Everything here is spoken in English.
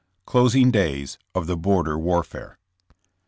CLOSING DAYS OF THE BORDER WARFARE.